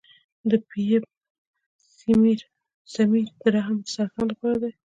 د پی ایپ سمیر د رحم د سرطان لپاره دی.